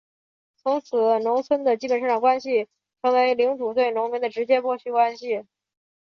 从此农村的基本生产关系成为领主对农民的直接剥削关系。